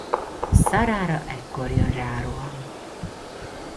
Sarah-ra ekkor jön rá a roham.